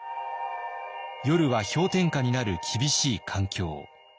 夜は氷点下になる厳しい環境。